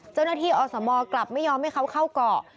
เจ้าหน้าที่อสมกลับไม่ยอมให้เขาเข้าเกาะ